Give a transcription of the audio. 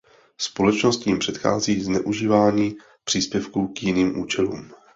Společnost tím předchází zneužívání příspěvku k jiným účelům.